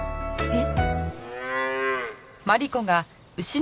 えっ？